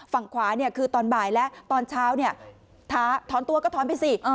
ฝั่งขวาเนี่ยคือตอนบ่ายแล้วตอนเช้าถอนตัวก็ถอนไปสิ